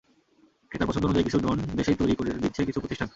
ক্রেতার পছন্দ অনুযায়ী কিছু ড্রোন দেশেই তৈরি করে দিচ্ছে কিছু প্রতিষ্ঠান।